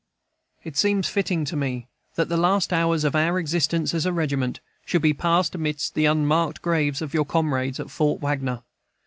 It seems fitting to me that the last hours of our existence as a regiment should be passed amidst the unmarked graves of your comrades, at Fort Wagner.